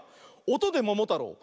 「おとでももたろう」